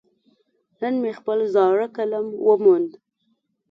نن مې خپل زاړه قلم وموند.